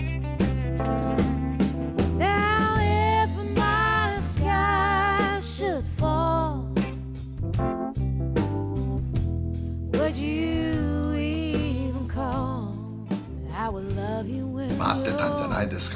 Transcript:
待ってたんじゃないですかね？